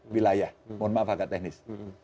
wilayah mohon maaf agak teknis